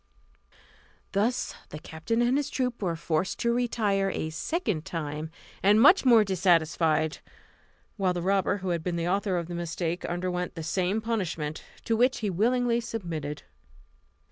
Thus the captain and his troop were forced to retire a second time, and much more dissatisfied; while the robber who had been the author of the mistake underwent the same punishment, to which he willingly submitted.